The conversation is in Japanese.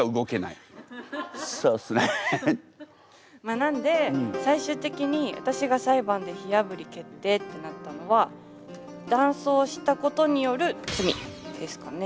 なんで最終的に私が裁判で火あぶり決定ってなったのは男装したことによる罪ですかね。